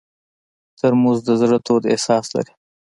ترموز د زړه تود احساس لري.